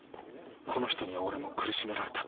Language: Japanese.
この人に俺も苦しめられた。